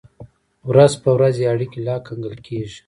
ورځ په ورځ یې اړیکې لا ګنګل کېږي.